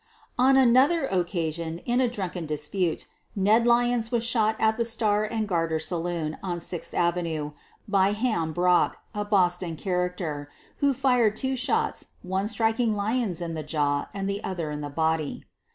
On another occasion, in a drunken dispute, Ned Lyons was shot i at the Star and Garter saloon on Sixth Avenue by ( "Ham" Brock, a Boston character, who fired two ; shots, one striking Lyons in the jaw and the other in the body.